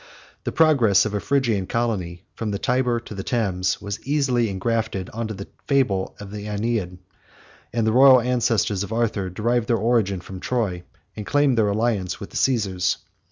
The progress of a Phrygian colony, from the Tyber to the Thames, was easily ingrafted on the fable of the Aeneid; and the royal ancestors of Arthur derived their origin from Troy, and claimed their alliance with the Caesars.